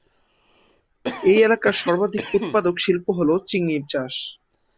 এই এলাকার সর্বাধিক উৎপাদক শিল্প হল চিংড়ি চাষ।